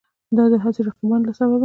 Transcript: د دا هسې رقیبانو له سببه